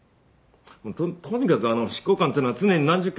とにかく執行官っていうのは常に何十件と事件抱えてる。